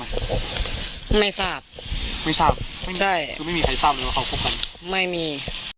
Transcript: ไม่ทราบไม่ทราบไม่ใช่คือไม่มีใครทราบเลยว่าเขาคบกันไม่มี